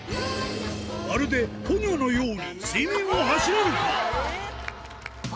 まるでポニョのように水面を走れるか。